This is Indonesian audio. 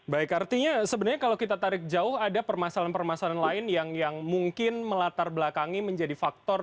baik artinya sebenarnya kalau kita tarik jauh ada permasalahan permasalahan lain yang mungkin melatar belakangi menjadi faktor